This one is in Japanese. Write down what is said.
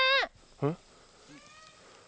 うん？